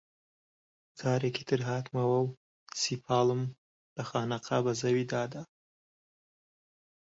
جارێکی تر هاتمەوە و سیپاڵم لە خانەقا بە زەویدا دا